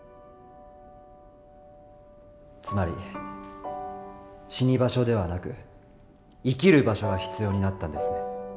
つまり死に場所ではなく生きる場所が必要になったんですね。